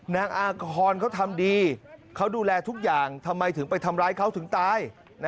นางอาคอนเขาทำดีเขาดูแลทุกอย่างทำไมถึงไปทำร้ายเขาถึงตาย